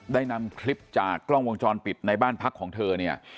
ได้นำคลิปจากกล้องวงจรปิดในบ้านพักของเธอเนี่ย